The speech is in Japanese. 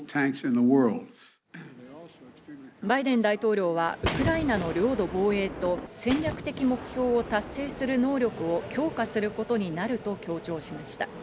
バイデン大統領はウクライナの領土防衛と戦略的目標を達成する能力を強化することになると強調しました。